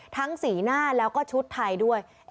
สีหน้าแล้วก็ชุดไทยด้วย